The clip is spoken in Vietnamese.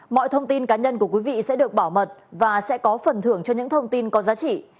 mọi thông tin cá nhân của quý vị sẽ được bảo mật và sẽ có phần thưởng cho những thông tin có giá trị